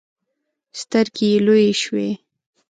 سترګې يې لویې شوې.